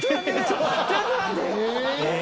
ちょっと待ってくれ。